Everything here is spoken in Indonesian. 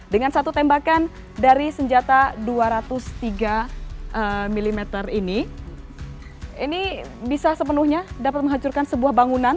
dengan satu tembakan dari senjata dua ratus tiga mm ini ini bisa sepenuhnya dapat menghancurkan sebuah bangunan